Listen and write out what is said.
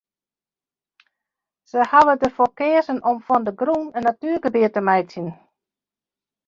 Sy hawwe der foar keazen om fan de grûn in natuergebiet te meitsjen.